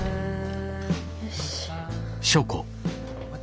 よし。